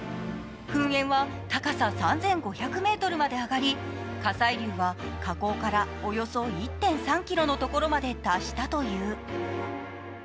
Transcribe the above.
噴煙は高さ３５００ｍまで上がり火砕流は火口からおよそ１．３ｋｍのところまで達したという。